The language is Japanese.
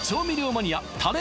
マニアたれ